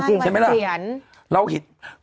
ใช่ไหมละเราผิด